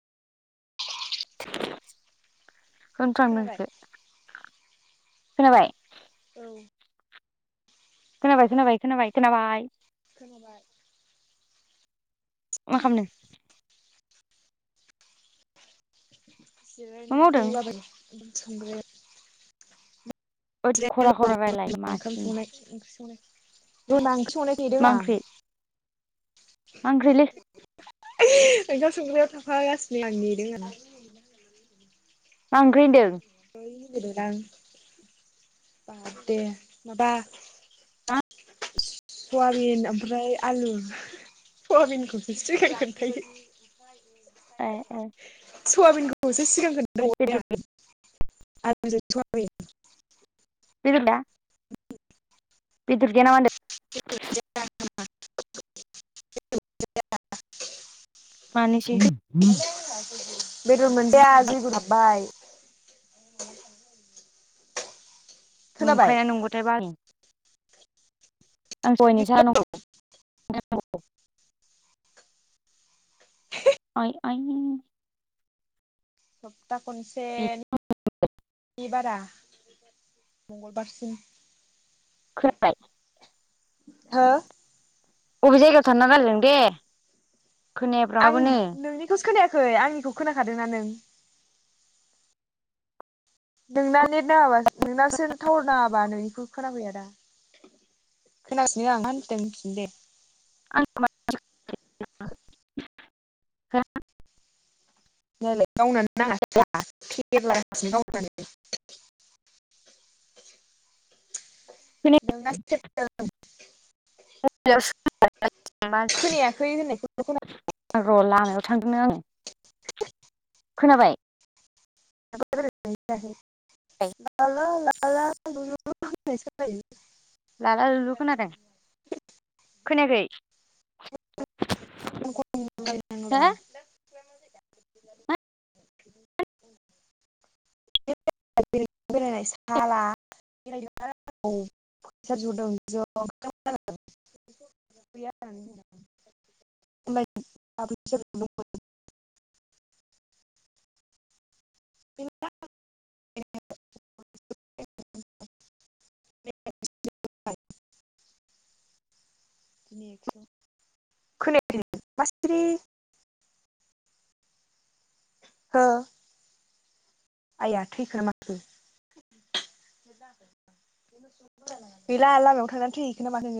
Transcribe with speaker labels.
Speaker 1: [unintelligible]
Speaker 2: खोनाबाय
Speaker 1: थांदोसो खोनाबाय?
Speaker 2: औ।
Speaker 1: खोनाबाय खोनाबाय खोनाबाय खोनाबाय।
Speaker 2: खोनाबाय।
Speaker 1: मा खामदों? मा
Speaker 2: जिरायनानै
Speaker 1: मावदों
Speaker 2: दंलाबाय [inaudible]
Speaker 1: ओद
Speaker 2: [unintelligible]
Speaker 1: खरा
Speaker 2: देनां
Speaker 1: खरा रायलाय मासिनो
Speaker 2: ओंख्रि संनाय नेदों आं।
Speaker 1: मा ओंख्रि लै?
Speaker 2: [unintelligible] ओंखाम संग्रायाव थाफागासिनो आं नेदों आं।
Speaker 1: मा ओंख्रि होनदों?
Speaker 2: [unintelligible] बाद दे माबा
Speaker 1: मा
Speaker 2: सवाबिन ओमफ्राय आलु। सवाबिनखौसो सिगां खोन्थायो?
Speaker 1: ए ए।
Speaker 2: सयाबिनखौसो सिगां
Speaker 1: बेदर
Speaker 2: [unintelligible] आं [unintelligible]
Speaker 1: [unintelligible] बेदर गैया नामा होनदों?
Speaker 2: [unintelligible]
Speaker 1: मानिसि [unintelligible]
Speaker 2: बेदर मोनजाया जोयगुरु हाबबाय [inaudible] खोनाबाय
Speaker 1: नंखाय ना नंगौथाय [unintelligible] आं [unintelligible] आइ आइ
Speaker 2: सप्ता खनसे [unintelligible] नि बारा [inaudible] मंगलबारसिम
Speaker 1: खोनाबाय?
Speaker 2: हो
Speaker 1: अबे जायगायाव थाना रायलायदों दे
Speaker 2: आं
Speaker 1: खोनायाब्राबाबोनो
Speaker 2: नोंनिखौसो खोनायाखै आंनिखौ खोनाखादोंना नों? [inaudible] नोंना नेट नाङाबा नोंनासो टावार नाङा बा नोंनिखौ खोनाफैया दा [unintelligible]
Speaker 1: [unintelligible]
Speaker 2: [unintelligible] [inaudible] नोंनासो [unintelligible] खोनायाखै होननाय [unintelligible] खोनादों
Speaker 1: र' लामायाव थांदोंनो आङो
Speaker 2: [unintelligible]
Speaker 1: खोनाबाय?
Speaker 2: [unintelligible] ला ला ला लु लु होननायसो खोनायो
Speaker 1: लाला लुलु खोनादों खोनायाखै? हो
Speaker 2: [unintelligible] [inaudible] [unintelligible] साला [unintelligible] ज' [unintelligible] गैया [unintelligible] [unintelligible] [unintelligible] [inaudible] खोनायाखै नों मा सिरि हो? आइया थैखोना माखो? [unintelligible] गैला लामायाव थांनानै थैहैखो नामाखो नोङो